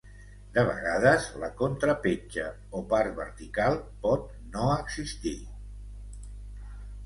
De vegades la contrapetja o part vertical pot no existir.